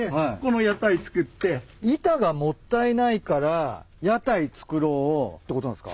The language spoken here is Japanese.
板がもったいないから屋台作ろうってことなんすか？